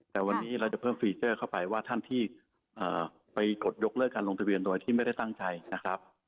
แต่วันนี้เราจะเพิ่มฟีเจอร์เข้าไปว่าท่านที่ไปกดยกเลิกการลงทะเบียนโดยที่ไม่ได้ตั้งใจนะครับ